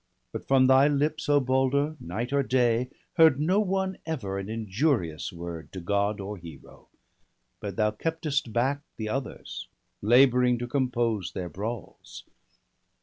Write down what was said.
But from thy lips, O Balder, night or day. Heard no one ever an injurious word To God or Hero, but thou keptest back The others, labouring to compose their brawls.